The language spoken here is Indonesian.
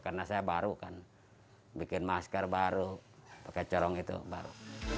karena saya baru kan bikin masker baru pakai corong itu baru